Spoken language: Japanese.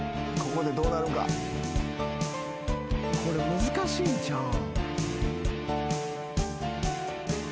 これ難しいんちゃうん？